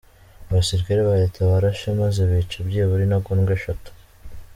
Abasirikare ba leta barashe maze bica byibura intagondwa eshatu.